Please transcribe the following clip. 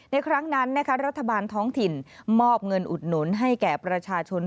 ในครั้งนั้นนะคะรัฐบาลท้องถิ่นมอบเงินอุดหนุนให้แก่ประชาชน